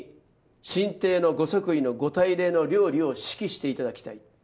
「新帝の御即位の御大礼の料理を指揮していただきたい」